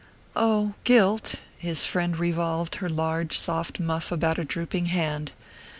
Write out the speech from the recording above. "Oh, guilt " His friend revolved her large soft muff about a drooping hand.